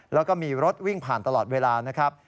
แล้วก็มีรถวิ่งผ่านตลอดเวลานะครับ